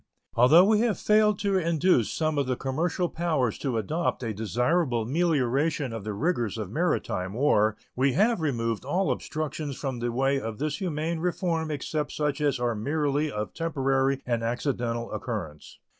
Although we have failed to induce some of the commercial powers to adopt a desirable melioration of the rigor of maritime war, we have removed all obstructions from the way of this humane reform except such as are merely of temporary and accidental occurrence.